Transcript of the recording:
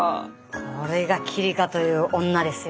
これが希梨香という女ですよ。